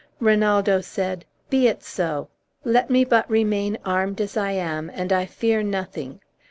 Rinaldo said, "Be it so; let me but remain armed as I am, and I fear nothing."